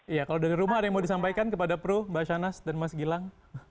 iya kalau dari rumah ada yang mau disampaikan kepada pru mbak shanas dan mas gilang